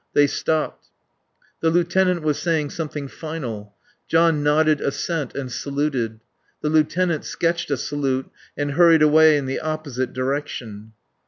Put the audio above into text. They stopped. The lieutenant was saying something final. John nodded assent and saluted. The lieutenant sketched a salute and hurried away in the opposite direction.